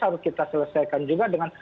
harus kita selesaikan juga dengan